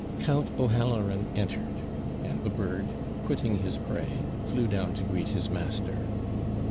Count O'Halloran entered; and the bird, quitting his prey, flew down to greet his master.